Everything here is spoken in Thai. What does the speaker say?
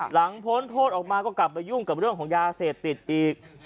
พ้นโทษออกมาก็กลับไปยุ่งกับเรื่องของยาเสพติดอีก